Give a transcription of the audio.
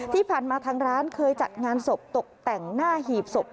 ที่ผ่านมาทางร้านเคยจัดงานศพตกแต่งหน้าหีบศพ